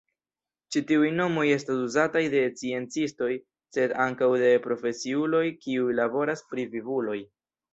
Ĉi-tiuj nomoj estas uzataj de sciencistoj sed ankaŭ de profesiuloj kiuj laboras pri vivuloj.